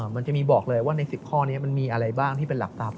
มันจะมีบอกเลยว่าใน๑๐ข้อนี้มันมีอะไรบ้างที่เป็นหลักทรัพย